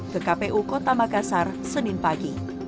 ke kpu kota makassar senin pagi